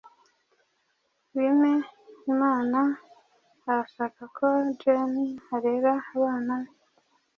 Bimeimana arashaka ko Jane arera abana be.